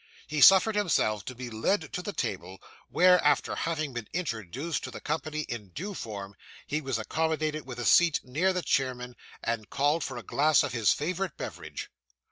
He suffered himself to be led to the table, where, after having been introduced to the company in due form, he was accommodated with a seat near the chairman and called for a glass of his favourite beverage.